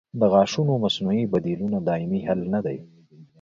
د غاښونو مصنوعي بدیلونه دایمي حل نه دی.